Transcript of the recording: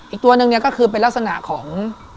อีกตัวหนึ่งเนี่ยก็คือเป็นลักษณะของ